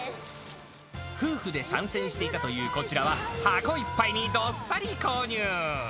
夫婦で参戦していたというこちらは、箱いっぱいにどっさり購入。